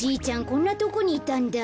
こんなとこにいたんだ。